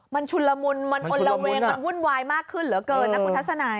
มันชุนละมุนมันอลละเวงมันวุ่นวายมากขึ้นเหลือเกินนะคุณทัศนัย